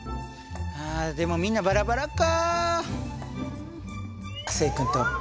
あでもみんなバラバラか。